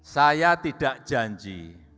saya tidak janji